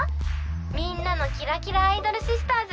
みんなのキラキラアイドルシスターズ。